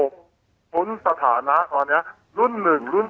คุ้นสถานะตอนนี้รุ่น๑รุ่น๒